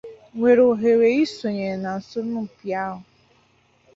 nwèrè ohere isonye n'asọmpi ahụ